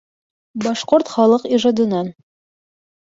БАШҠОРТ ХАЛЫҠ ИЖАДЫНАН